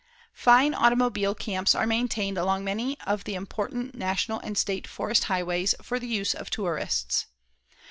Fine automobile camps are maintained along many of the important National and State Forest highways for the use of tourists.